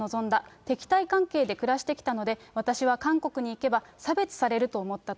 敵対関係で暮らしてきたので、私は韓国に行けば差別されると思ったと。